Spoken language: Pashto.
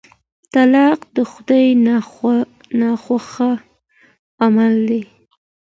طلاق د خدای ناخوښه عمل دی.